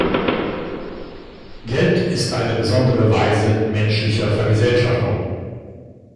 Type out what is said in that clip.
Geld ist eine besondere Weise menschlicher Vergesellschaftung.